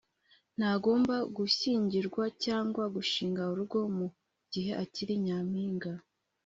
Ntagomba gushyingirwa cyangwa gushinga urugo mu gihe akiri nyampinga